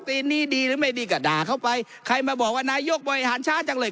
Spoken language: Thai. ปีนี้ดีหรือไม่ดีก็ด่าเข้าไปใครมาบอกว่านายกบริหารช้าจังเลย